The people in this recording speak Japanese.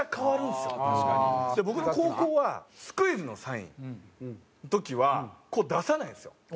で僕の高校はスクイズのサインの時はこう出さないんですよ。